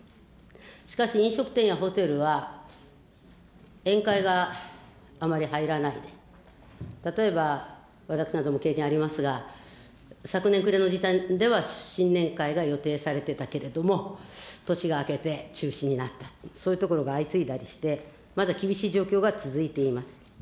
しかし、飲食店やホテルは、宴会があまり入らないで、例えば、私なども経験ありますが、昨年暮れの時点では、新年会が予定されてたけれども、年が明けて中止になったと、そういうところが相次いだりして、まだ厳しい状況が続いています。